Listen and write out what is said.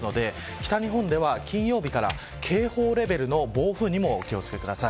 北日本では金曜日から警報レベルの暴風にもお気を付けください。